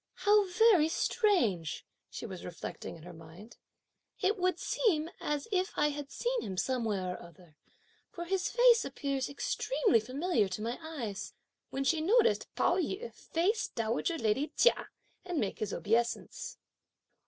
"How very strange!" she was reflecting in her mind; "it would seem as if I had seen him somewhere or other, for his face appears extremely familiar to my eyes;" when she noticed Pao yü face dowager lady Chia and make his obeisance.